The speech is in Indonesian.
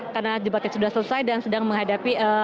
karena debatnya sudah selesai dan sedang menghadapi